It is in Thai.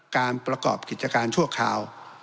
การประกอบกิจการชั่วคราว